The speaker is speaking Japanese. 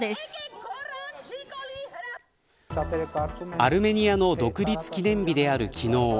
アルメニアの独立記念日である昨日。